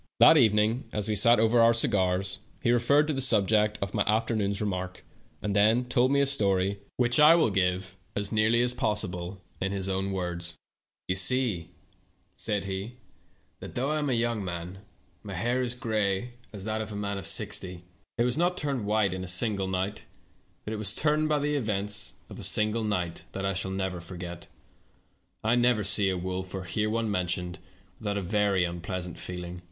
That evening, as we sat over our cigars, he referred to the subject of my afternoon's remark, and then told me a story, which I will give, as nearly as possible, in his own words. "You see," said he, "that though I am still young, my hair is gray as that of a man of sixty. It was not turned white in a single night, but it was turned by the events of a single night that I shall never forget. I never see a wolf, or hear one mentioned, without a very unpleasant feeling.